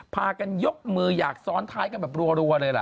พากันยกมืออยากซ้อนท้ายกันแบบรัวเลยล่ะ